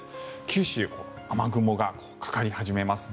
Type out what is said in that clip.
九州、雨雲がかかり始めます。